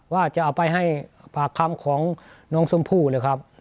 ว่าจะเอาไปให้ปากคำของน้องชมพู่นะครับ